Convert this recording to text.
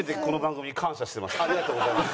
ありがとうございます。